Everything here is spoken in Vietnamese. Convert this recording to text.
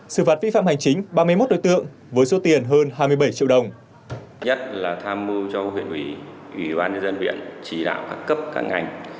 xử phạt vi phạm hành chính ba mươi một đối tượng với số tiền hơn hai mươi bảy triệu đồng